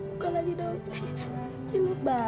buka lagi dong cintu bang